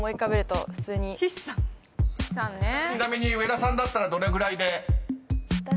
［ちなみに上田さんだったらどれぐらいで？］